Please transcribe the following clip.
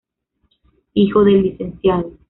Hijo del Lcdo.